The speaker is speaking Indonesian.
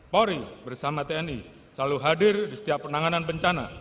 polri bersama tni selalu hadir di setiap penanganan bencana